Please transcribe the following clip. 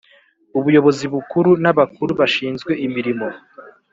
Ubuyobozi bukuru n abakuru bashinzwe imirimo